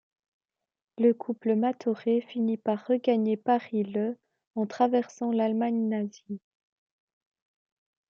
Le couple Matoré finit par regagner Paris le en traversant l’Allemagne nazie.